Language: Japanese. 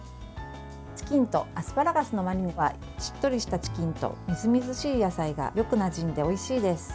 チキンとアスパラガスのマリネはしっとりしたチキンとみずみずしい野菜がよくなじんでおいしいです。